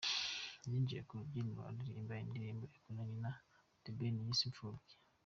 Yinjiye ku rubyiniriro aririmba indirimbo yakoranye na The Ben yise Imfubyi.